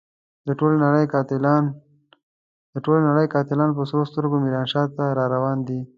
د ټولې نړۍ قاتلان په سرو سترګو ميرانشاه ته را روان دي.